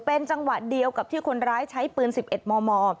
เป็นจังหวะเดียวกับที่คนร้ายใช้ปืน๑๑มม